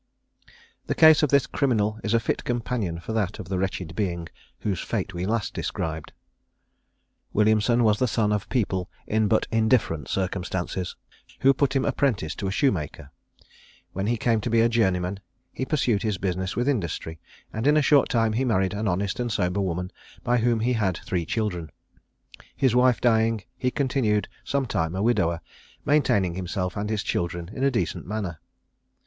The case of this criminal is a fit companion for that of the wretched being whose fate we last described. Williamson was the son of people in but indifferent circumstances, who put him apprentice to a shoemaker. When he came to be a journeyman he pursued his business with industry; and in a short time he married an honest and sober woman, by whom he had three children. His wife dying, he continued some time a widower, maintaining himself and his children in a decent manner.